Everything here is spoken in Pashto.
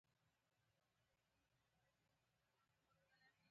ستالین به خپله ویل یوازې بیروکراټان فکر کولای شي.